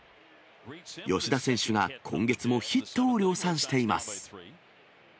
吉田選手が今月もヒットを量産しています。